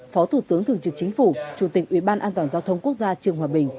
phó thủ tướng thường trực chính phủ chủ tịch ủy ban an toàn giao thông quốc gia trường hòa bình